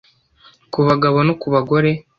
ku bagabo no ku bagore,